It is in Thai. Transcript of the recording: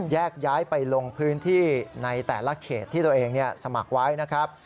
แยกย้ายไปลงพื้นที่ในแต่ละเขตที่ตัวเองสมัครไว้นะครับ